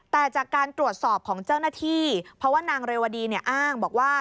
แต่จากการตรวจสอบของเจ้าหน้าที่เพราะว่านางเรวดีเนี่ยอ้างบอกว่า